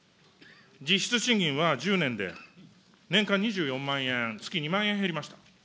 実質賃金は１０年で年間２４万円、月２万円減りました。